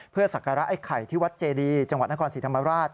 ศักระไอ้ไข่ที่วัดเจดีจังหวัดนครศรีธรรมราช